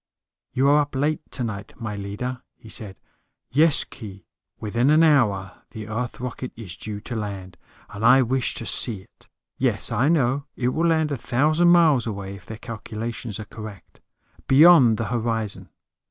"You are up late tonight, my leader," he said. "Yes, Khee. Within an hour the Earth rocket is due to land, and I wish to see it. Yes, I know, it will land a thousand miles away, if their calculations are correct. Beyond the horizon.